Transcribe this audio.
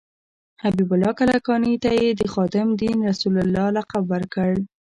حبیب الله کلکاني ته یې د خادم دین رسول الله لقب ورکړ.